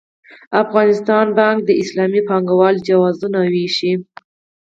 افغانستان بانک د اسلامي بانکوالۍ جوازونه وېشي.